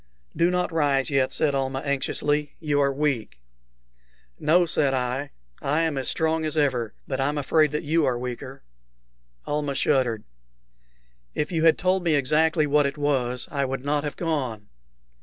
"Do not rise yet," said Almah, anxiously; "you are weak." "No," said I; "I am as strong as ever; but I'm afraid that you are weaker." Almah shuddered. "If you had told me exactly what it was, I would not have gone."